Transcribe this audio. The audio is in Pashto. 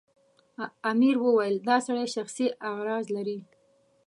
امیر وویل دا سړی شخصي اغراض لري.